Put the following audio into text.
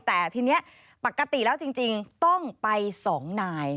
แต่ทีนี้ปกติแล้วจริงต้องไป๒นาย